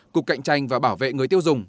cục cạnh tranh và bảo vệ người tiêu dùng